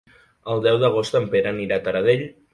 El deu d'agost en Pere anirà a Taradell.